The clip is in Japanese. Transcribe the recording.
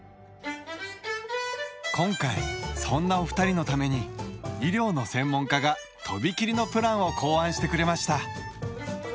今回そんなお二人のために医療の専門家が飛び切りのプランを考案してくれました。